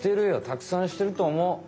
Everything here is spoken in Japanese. たくさんしてると思う。